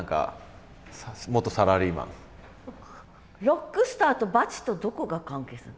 ロックスターとバチとどこが関係すんの？